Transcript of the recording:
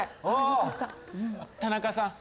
田中さん。